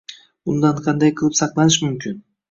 Bundan qanday qilib saqlanish mumkin?